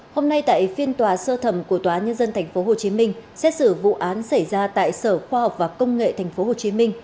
hôm nay tại phiên tòa sơ thẩm của tòa nhân dân tp hcm xét xử vụ án xảy ra tại sở khoa học và công nghệ tp hcm